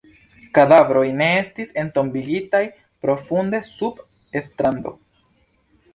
Kadavroj ne estis entombigitaj profunde sub strando.